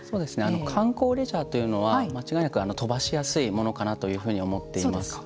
観光・レジャーというのは間違いなく飛ばしやすいものかなというふうに思っています。